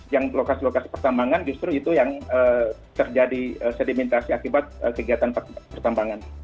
yang lokasi lokasi pertambangan justru itu yang terjadi sedimentasi akibat kegiatan pertambangan